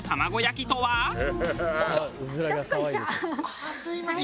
ああすみません。